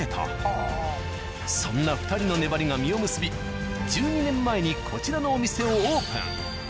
そんな２人の粘りが実を結び１２年前にこちらのお店をオープン。